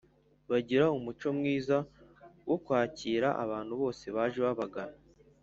bagira umuco mwiza wo kwakira abantu bose baje babagana